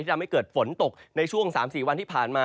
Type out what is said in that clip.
ทำให้เกิดฝนตกในช่วง๓๔วันที่ผ่านมา